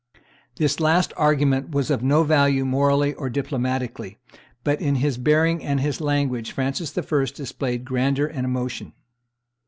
This last argument was of no value morally or diplomatically; but in his bearing and his language Francis I. displayed grandeur and emotion.